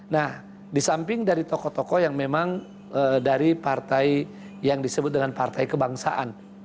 nah di samping dari tokoh tokoh yang memang dari partai yang disebut dengan partai kebangsaan